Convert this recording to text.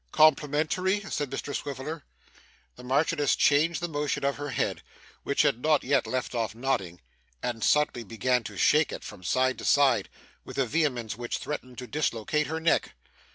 'Complimentary?' said Mr Swiveller. The Marchioness changed the motion of her head, which had not yet left off nodding, and suddenly began to shake it from side to side, with a vehemence which threatened to dislocate her neck.